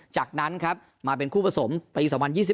จากนั้นครับมาเป็นคู่ผสมปี๒๐๒๐